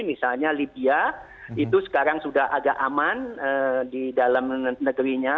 misalnya libya itu sekarang sudah agak aman di dalam negerinya